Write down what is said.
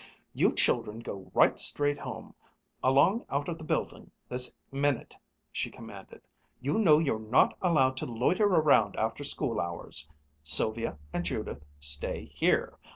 "You children go right straight home, along out of the building this minute," she commanded. "You know you're not allowed to loiter around after school hours. Sylvia and Judith, stay here.